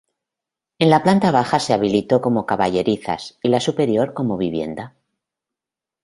En la planta baja se habilitó como caballerizas y la superior como vivienda.